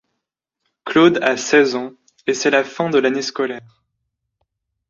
Claude a seize ans et c'est la fin de l'année scolaire.